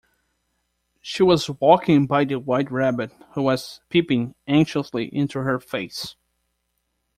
She was walking by the White Rabbit, who was peeping anxiously into her face.